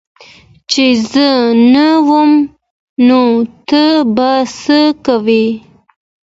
چي زه نه وم نو ته به څه کوي